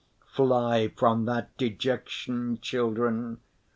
Fly from that dejection, children!